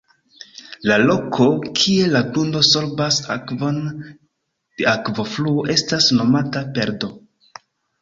La loko, kie la grundo sorbas akvon de akvofluo estas nomata "perdo".